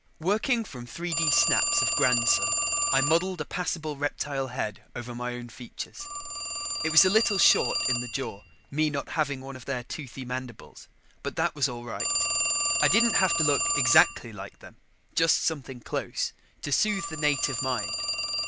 Working from 3D snaps of Grandson, I modeled a passable reptile head over my own features. It was a little short in the jaw, me not having one of their toothy mandibles, but that was all right. I didn't have to look exactly like them, just something close, to soothe the native mind.